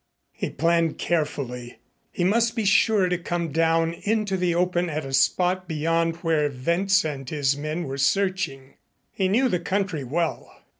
He planned carefully. He must be sure to come down into the open at a spot beyond where Wentz and his men were searching. He knew the country well.